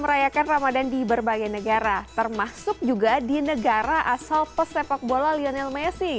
merayakan ramadan di berbagai negara termasuk juga di negara asal pesepak bola lionel messi